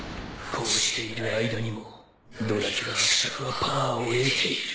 こうしている間にもドラキュラ伯爵はパワーを得ている。